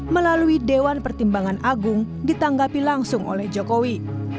melalui dewan pertimbangan agung ditanggapi langsung oleh jokowi